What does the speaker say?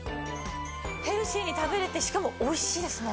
ヘルシーに食べられてしかも美味しいですもんね。